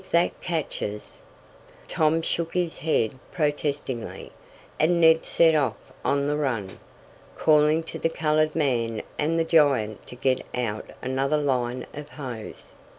If that catches " Tom shook his head protestingly, and Ned set off on the run, calling to the colored man and the giant to get out another line of hose.